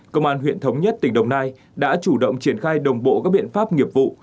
công an huyện thống nhất tỉnh đồng nai đã chủ động triển khai đồng bộ các biện pháp nghiệp vụ